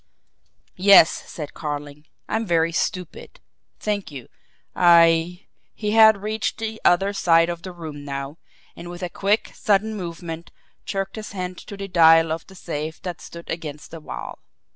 "Yes," said Carling. "I am very stupid. Thank you. I " he had reached the other side of the room now and with a quick, sudden movement jerked his hand to the dial of the safe that stood against the wall.